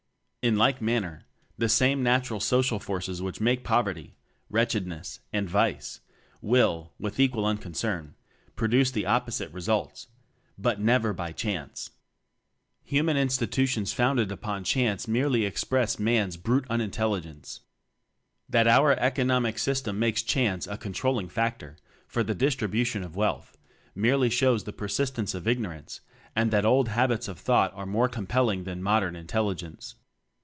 In like manner, the same "natural" social forces which make poverty, wretchedness, and vice, will (with equal unconcern) produce the opposite results but never by "chance." Human institutions founded upon "chance" merely express Man's brute unintclligence. That our "Economic System" makes "chance" a controlling factor for the distribution of wealth, merely shows the persistence of ignor ance and that old habits of thought are more compelling than modern in telligence.